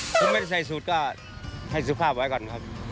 ผมไม่ได้ใส่สูตรก็ให้สุภาพไว้ก่อนครับ